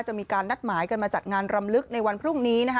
จะมีการนัดหมายกันมาจัดงานรำลึกในวันพรุ่งนี้นะคะ